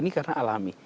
ini karena alami